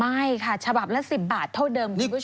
ใช่ค่ะฉบับละ๑๐บาทเท่าเดิมคุณผู้ชม